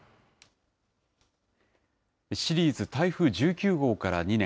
シリーズ、台風１９号から２年。